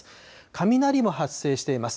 雷も発生してます。